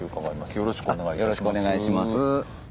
よろしくお願いします。